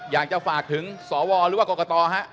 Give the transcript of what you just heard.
อยากจะฝากถึงสวหรือว่ากรกตฮะ